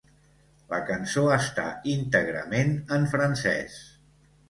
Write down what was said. La cançó està íntegrament en francès.